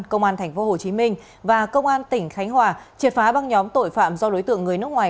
công an tp hcm và công an tỉnh khánh hòa triệt phá băng nhóm tội phạm do đối tượng người nước ngoài